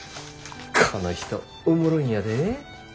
この人おもろいんやで。